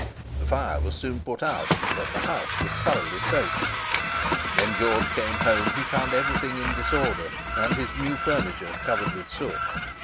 The fire was soon put out, but the house was thoroughly soaked. When George came home he found everything in disorder, and his new furniture covered with soot.